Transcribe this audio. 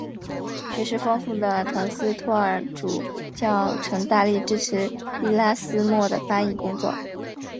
学识丰富的滕斯托尔主教曾大力支持伊拉斯谟的翻译工作。